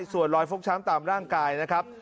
ส่วนรอยฟกช้ำตามร่างกายนะครับ